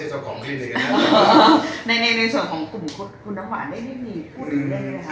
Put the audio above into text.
เราจะมีการพิจารณาฟ้องกับผู้หญิงคนนี้ไหมคะ